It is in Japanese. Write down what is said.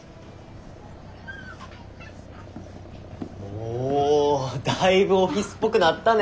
おだいぶオフィスっぽくなったね。